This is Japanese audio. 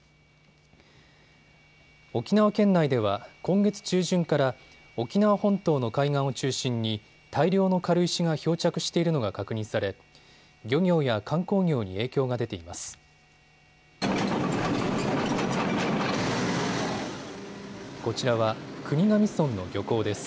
沖縄県内では今月中旬から沖縄本島の海岸を中心に大量の軽石が漂着しているのが確認され漁業や観光業に影響が出ています。